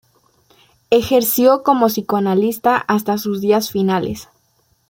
Ejerció como psicoanalista hasta sus días finales.